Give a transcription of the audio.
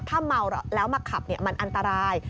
ถ้าเมาแล้วมาขับมันอันตราย